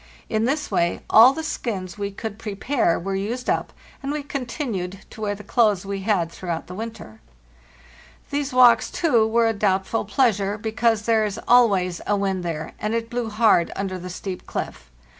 In this way all the skins we could prepare were LAND AT: LASL. 435 used up, and we continued to wear the clothes we had throughout the winter. These walks, too, were a doubtful pleasure, because there is always a wind there, and it blew hard under the steep cliff.